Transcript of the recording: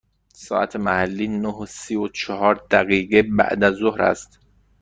ساعت محلی نه و سی و چهار دقیقه بعد از ظهر است.